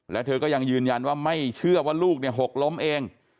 แล้วเธอก็ยังยืนยันว่าไม่เชื่อว่าลูกหกล้มเอง